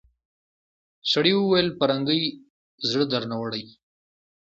سړي وويل پرنګۍ زړه درنه وړی.